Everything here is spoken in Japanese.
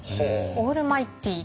オールマイティー。